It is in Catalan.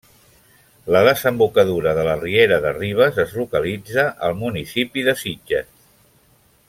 La desembocadura de la riera de Ribes es localitza al municipi de Sitges.